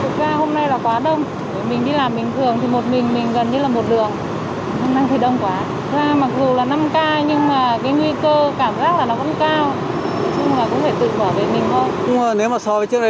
thật ra hôm nay là quá đông mình đi làm bình thường thì một mình mình gần như là một đường hôm nay thì đông quá